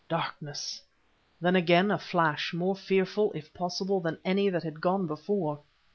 Darkness! then again a flash, more fearful, if possible, than any that had gone before.